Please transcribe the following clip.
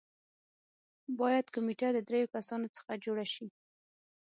باید کمېټه د دریو کسانو څخه جوړه شي.